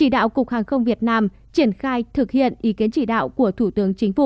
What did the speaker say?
đạo cục hàng không việt nam triển khai thực hiện ý kiến chỉ đạo của thủ tướng chính phủ